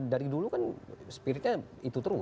dari dulu kan spiritnya itu terus